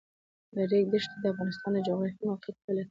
د ریګ دښتې د افغانستان د جغرافیایي موقیعت پایله ده.